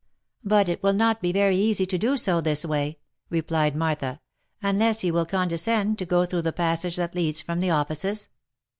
" But it will not be very easy to do so, this way," replied Martha, " unless you will condescend to go through the passage that leads from the offices."